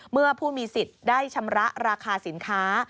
เมื่อผู้มีสิทธิ์ได้ชำระราคาสินค้า